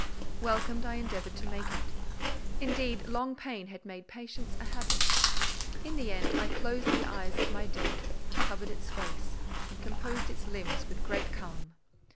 Welcome I endeavoured to make it. Indeed, long pain had made patience a habit. In the end I closed the eyes of my dead, covered its face, and composed its limbs with great calm.